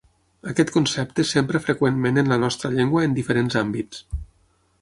Aquest concepte s'empra freqüentment en la nostra llengua en diferents àmbits.